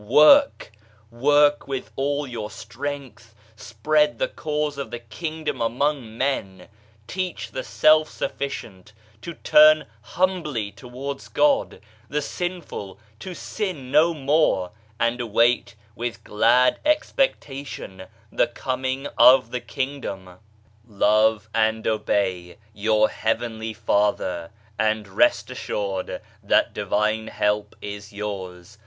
Work 1 Work with all your strength, spread the Cause of the Kingdom among men ; teach the self sufficient to turn humbly towards God, the sinful to sin no more, and await with glad expectation the coming of the Kingdom. Love and obey your Heavenly Father, and rest assured that Divine help is yours.